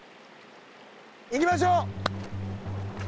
いきましょう！